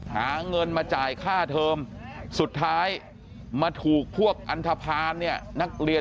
หาเงินมาจ่ายค่าเทอมสุดท้ายมาถูกพวกอันทภาณเนี่ยนักเรียน